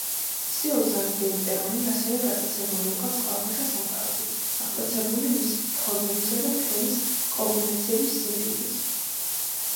სიუზან ბელპერონი ასევე გატაცებული იყო წყალქვეშა სამყაროთი, აღტაცებული მისი ფორმების და ფერის კომბინაციების სიმდიდრით.